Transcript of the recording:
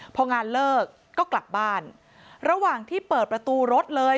พองานเลิกก็กลับบ้านระหว่างที่เปิดประตูรถเลย